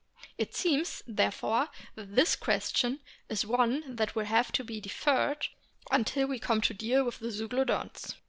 It seems, there fore, that this question is one that will have to be deferred until we come to deal with the Zeuglodonts.